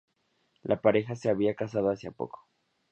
La pareja se había casado hacía poco.